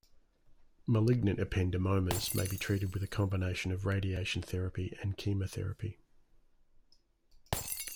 Malignant ependymomas may be treated with a combination of radiation therapy and chemotherapy.